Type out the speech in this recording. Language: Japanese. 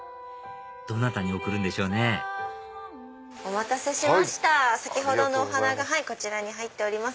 どなたに贈るんでしょうねお待たせしました先ほどのお花がこちらに入っております。